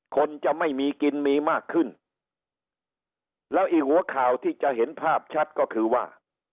คนจะไม่มีกินมีมากขึ้นแล้วอีกหัวข่าวที่จะเห็นภาพชัดก็คือว่า